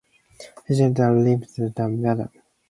Fishing is the second leading sector in the Maldives.